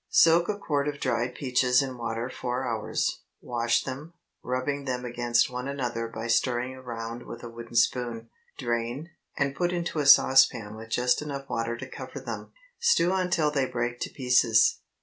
Soak a quart of dried peaches in water four hours. Wash them, rubbing them against one another by stirring around with a wooden spoon. Drain, and put into a saucepan with just enough water to cover them. Stew until they break to pieces.